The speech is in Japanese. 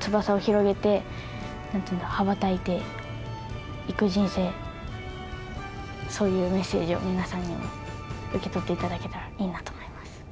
翼を広げてなんていうんだろう、羽ばたいていく人生、そういうメッセージを皆さんにも受け取っていただけたらいいなと思います。